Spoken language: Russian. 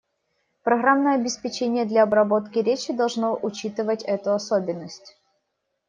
Программное обеспечение для обработки речи должно учитывать эту особенность.